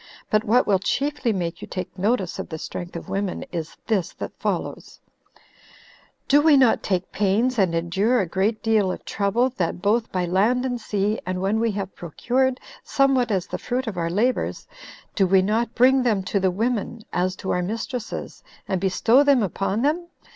But what will chiefly make you take notice of the strength of women is this that follows: Do not we take pains, and endure a great deal of trouble, and that both by land and sea, and when we have procured somewhat as the fruit of our labors, do not we bring them to the women, as to our mistresses, and bestow them upon them?